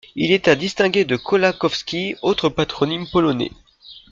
Il est à distinguer de Kołakowski, autre patronyme polonais.